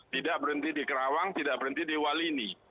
tidak berhenti di kerawang tidak berhenti di walini